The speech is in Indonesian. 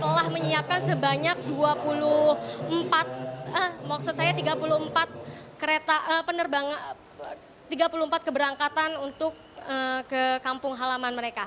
telah menyiapkan sebanyak dua puluh empat maksud saya tiga puluh empat kereta penerbangan tiga puluh empat keberangkatan untuk ke kampung halaman mereka